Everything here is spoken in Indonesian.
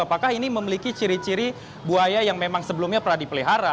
apakah ini memiliki ciri ciri buaya yang memang sebelumnya pernah dipelihara